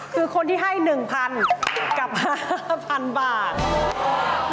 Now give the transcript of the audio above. คือคนที่ให้๑๐๐๐กลับมา๕๐๐๐บาท